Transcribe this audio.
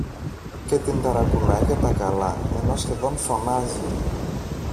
και την ταρακουνάει για τα καλά ενώ σχεδόν φωνάζει